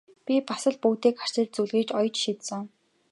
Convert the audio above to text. Би бас л бүгдийг арчиж зүлгэж оёж шидсэн!